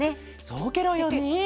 そうケロよね。